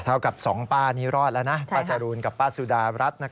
กับสองป้านี้รอดแล้วนะป้าจรูนกับป้าสุดารัฐ